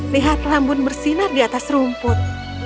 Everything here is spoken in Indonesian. lihat lambun bersinar di atas rumput